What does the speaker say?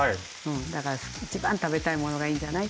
だから一番食べたいものがいいんじゃないって。